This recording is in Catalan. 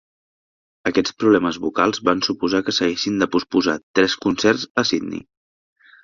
Aquests problemes vocals van suposar que s'haguessin de posposar tres concerts a Sydney.